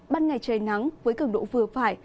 ban ngày trời nắng với cường độ vừa phải